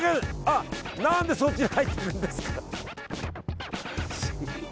何でそっちに入っていくんですか。